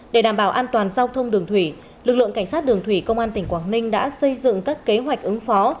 để đảm bảo an toàn giao thông đường thủy lực lượng cảnh sát đường thủy công an tỉnh quảng ninh đã xây dựng các kế hoạch ứng phó